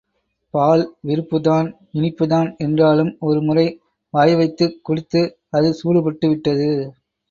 பால் விருப்புதான் இனிப்புதான் என்றாலும் ஒரு முறை வாய்வைத்துக் குடித்து அது சூடுபட்டு விட்டது.